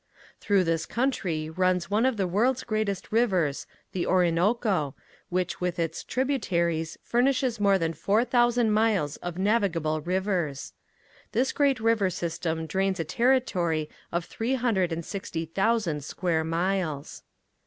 Through this country runs one of the world's greatest rivers, the Orinoco, which with its tributaries furnishes more than four thousand miles of navigable rivers. This great river system drains a territory of three hundred and sixty thousand square miles.